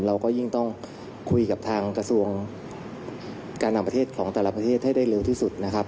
เราก็ยิ่งต้องคุยกับทางกระทรวงการต่างประเทศของแต่ละประเทศให้ได้เร็วที่สุดนะครับ